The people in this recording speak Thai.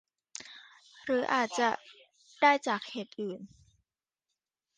หรืออาจจะได้จากเหตุอื่น